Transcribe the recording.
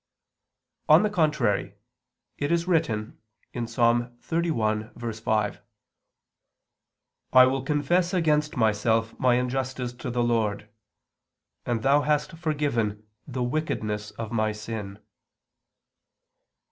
On the contrary, It is written (Ps. 31:5): "I will confess against myself my injustice to the Lord; and Thou hast forgiven the wickedness of my sin."